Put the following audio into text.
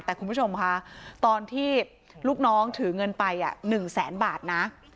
แต่คุณผู้ชมค่ะตอนที่ลูกน้องถือเงินไป๑แสนบาทนะ